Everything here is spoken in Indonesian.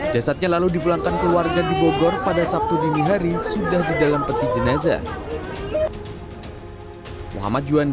jasadnya lalu dipulangkan keluarga di bogor pada sabtu dini hari sudah di dalam peti jenazah